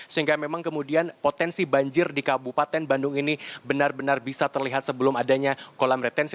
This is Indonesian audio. sehingga memang kemudian potensi banjir di kabupaten bandung ini benar benar bisa terlihat sebelum adanya kolam retensi